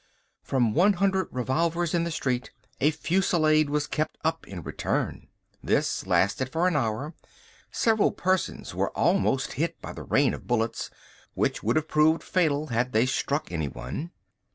From one hundred revolvers in the street a fusillade was kept up in return. This lasted for an hour. Several persons were almost hit by the rain of bullets, which would have proved fatal had they struck anyone.